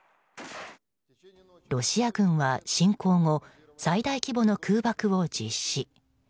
ロシア軍は侵攻後最大規模の空爆を実施。